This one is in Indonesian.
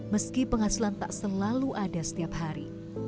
meski penghasilan tak selalu ada setiap hari